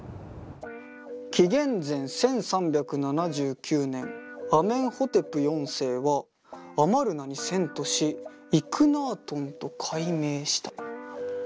「紀元前１３７９年アメンホテプ４世はアマルナに遷都しイクナートンと改名した」。